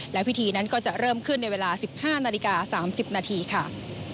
และพิธีนั้นก็จะเริ่มขึ้นในเวลา๑๕นาฬิกา๓๐นาทีค่ะ